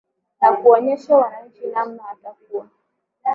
za kuonesha wananchi namna watakuwa